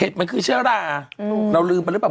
มันคือเชื้อราเราลืมไปหรือเปล่า